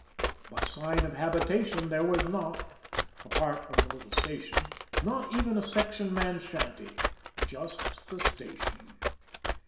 But sign of habitation there was not, apart from the little station not even a section man's shanty just the station.